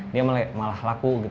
dia malah laku